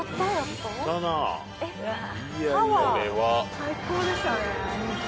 ・最高でしたね。